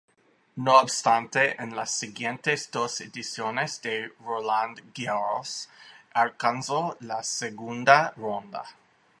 No obstante, en las siguientes dos ediciones de Roland Garros alcanzó la segunda ronda.